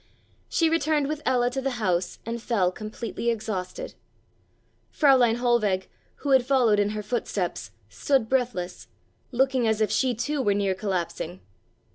She returned with Ella to the house and fell, completely exhausted. Fräulein Hohlweg, who had followed in her footsteps, stood breathless, looking as if she too were near collapsing.